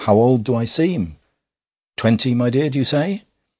How old do I seem? Twenty, my dear, do you say?'